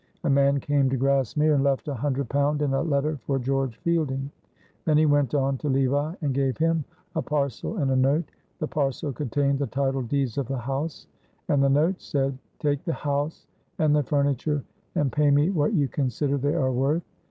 A man came to Grassmere and left a hundred pound in a letter for George Fielding. Then he went on to Levi, and gave him a parcel and a note. The parcel contained the title deeds of the house; and the note said: "Take the house and the furniture and pay me what you consider they are worth.